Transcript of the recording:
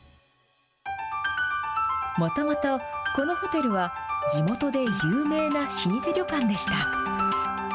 もともと、このホテルは、地元で有名な老舗旅館でした。